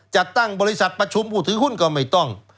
จัดตั้งบริษัทประชุมผู้ถือหุ้นก็ไม่ต้อง